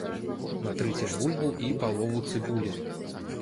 Натрыце бульбу і палову цыбуліны.